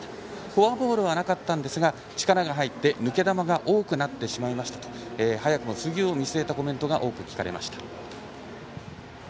フォアボールはなかったんですが力が入って抜け球が多くなってしまいましたと早くも次を見据えたコメントが多く聞かれました。